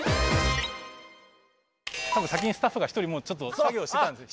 多分先にスタッフが１人ちょっと作業してたんです。